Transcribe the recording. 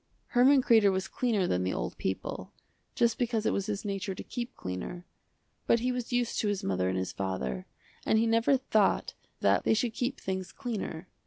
Herman Kreder was cleaner than the old people, just because it was his nature to keep cleaner, but he was used to his mother and his father, and he never thought that they should keep things cleaner.